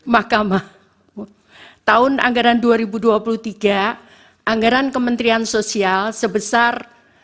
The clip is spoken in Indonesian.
mahkamah tahun anggaran dua ribu dua puluh tiga anggaran kementerian sosial sebesar